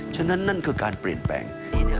ฉะนั้นนั่นคือการเปลี่ยนแปลง